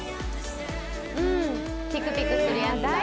うんピクピクするやつだ